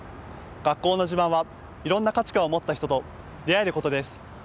学校の自慢は、いろんな価値観を持った人と出会えることです。